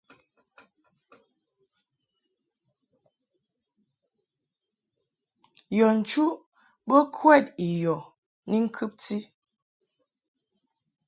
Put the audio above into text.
Yɔ nchuʼ bo kwɛd i yɔ ni ŋkɨbti.